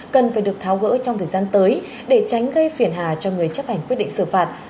cần phải được tháo gỡ trong thời gian tới để tránh gây phiền hà cho người chấp hành quyết định xử phạt